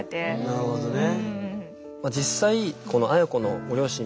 なるほどね。